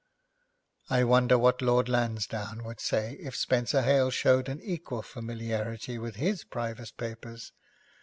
I wonder what Lord Lansdowne would say if Spenser Hale showed an equal familiarity with his private papers!